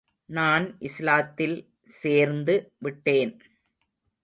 நான் இஸ்லாத்தில் சோந்து விட்டேன்.